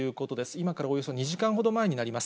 今からおよそ２時間半ほど前になります。